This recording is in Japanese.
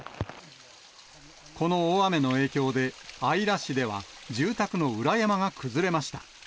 この大雨の影響で、姶良市では、住宅の裏山が崩れました。